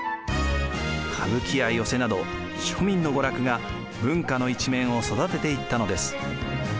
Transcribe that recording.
歌舞伎や寄席など庶民の娯楽が文化の一面を育てていったのです。